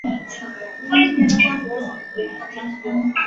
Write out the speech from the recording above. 须藤良太是千明和义的青梅竹马。